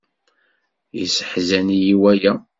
Yesseḥzan-iyi waya.